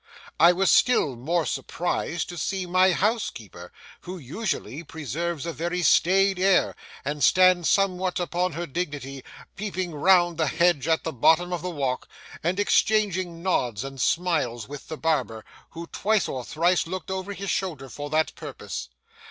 I was still more surprised to see my housekeeper, who usually preserves a very staid air, and stands somewhat upon her dignity, peeping round the hedge at the bottom of the walk, and exchanging nods and smiles with the barber, who twice or thrice looked over his shoulder for that purpose.